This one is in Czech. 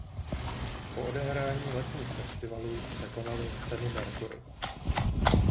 Po odehrání letních festivalů se konaly ceny Mercury.